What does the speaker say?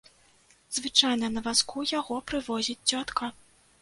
Звычайна на вазку яго прывозіць цётка.